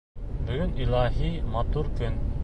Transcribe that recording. — Бөгөн илаһи матур көн!